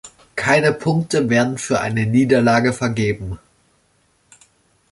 Keine Punkte werden für eine Niederlage vergeben.